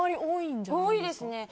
多いですね。